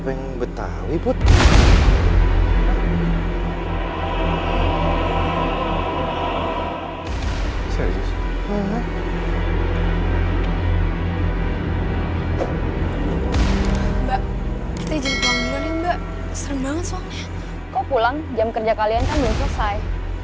kok pulang jam kerja kalian kan belum selesai